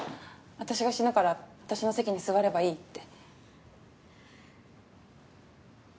私が死ぬから私の席に座ればいいって。